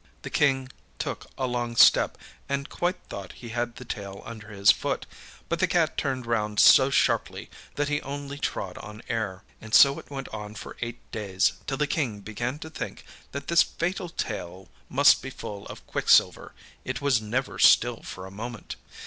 The King took a long step, and quite thought he had the tail under his foot, but the cat turned round so sharply that he only trod on air. And so it went on for eight days, till the King began to think that this fatal tail must be full of quicksilver it was never still for a moment.